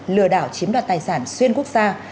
lừa đảo chiếm đoạt tài sản xuyên quốc gia